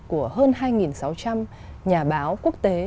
của hơn hai sáu trăm linh nhà báo quốc tế